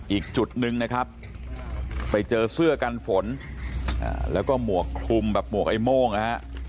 อีกจุดหนึ่งนะครับไปเจอเสื้อกันฝนแล้วก็หมวกคลุมแบบหมวกไอ้โม่งนะฮะ